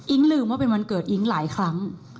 ลืมว่าเป็นวันเกิดอิ๊งหลายครั้ง